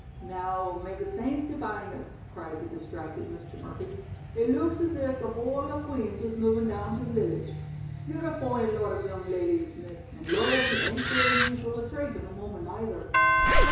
"Now, may the saints defind us," cried the distracted Mr. Murphy. "It looks as if the whole of Queen's was movin' down to the village. You're a foine lot of young ladies, Miss, and loyalty ain't so usual a trait in a woman, either."